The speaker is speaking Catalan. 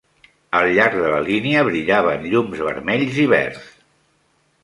Al llarg de la línia brillaven llums vermells i verds.